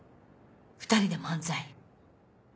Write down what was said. ２人で漫才。